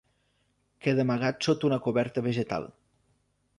Queda amagat sota una coberta vegetal.